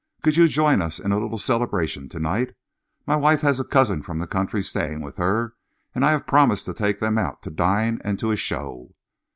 Could you join us in a little celebration to night? My wife has a cousin from the country staying with her, and I have promised to take them out to dine and to a show."